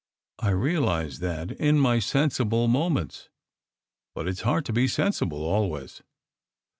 I realize that in my sensible moments. But it s hard to be sensible always."